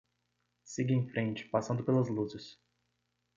Siga em frente, passando pelas luzes.